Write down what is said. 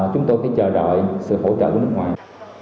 chúng tôi phải chờ đợi sự hỗ trợ của nước ngoài